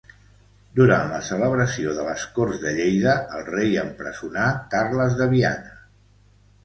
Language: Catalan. Durant la celebració de les Corts de Lleida el rei empresonà Carles de Viana.